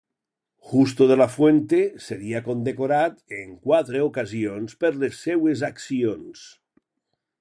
Justo de la Fuente seria condecorat en quatre ocasions per les seues accions.